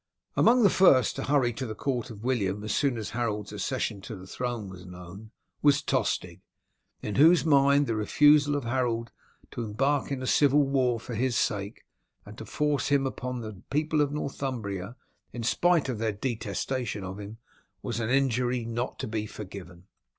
Among the first to hurry to the court of William, as soon as Harold's accession to the throne was known, was Tostig, in whose mind the refusal of Harold to embark in a civil war for his sake, and to force him upon the people of Northumbria in spite of their detestation of him, was an injury not to be forgiven.